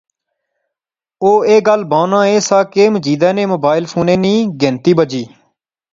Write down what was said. او ایہہ گل بانا ایہہ سا کہ مجیدے نےموبائل فونے نی گھنتی بجی